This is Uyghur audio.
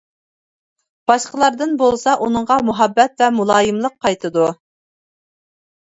باشقىلاردىن بولسا ئۇنىڭغا مۇھەببەت ۋە مۇلايىملىق قايتىدۇ.